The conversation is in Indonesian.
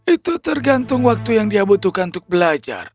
itu tergantung waktu yang dia butuhkan untuk belajar